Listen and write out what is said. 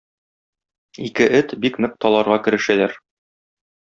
Ике эт бик нык таларга керешәләр.